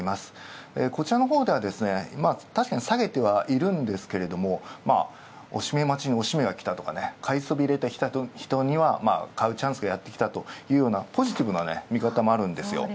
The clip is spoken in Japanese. こちらのほうでは、たしかに下げてはいるんですが、惜しみ待ちがきた買いそびれた人には買うチャンスがやってきたというポジティブな見方がある。